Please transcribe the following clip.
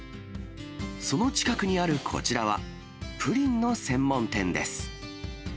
その近くにあるこちらは、プリンの専門店です。